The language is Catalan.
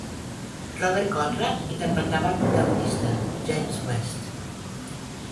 Robert Conrad interpretava al protagonista, James West.